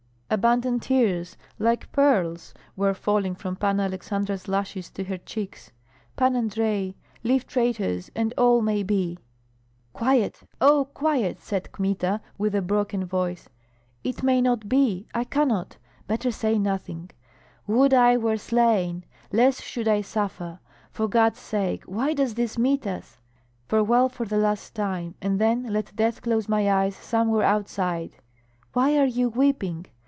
Abundant tears like pearls were falling from Panna Aleksandra's lashes to her cheeks. "Pan Andrei, leave traitors, and all may be." "Quiet, oh, quiet!" said Kmita, with a broken voice. "It may not be I cannot better say nothing Would I were slain! less should I suffer For God's sake, why does this meet us? Farewell for the last time. And then let death close my eyes somewhere outside Why are you weeping?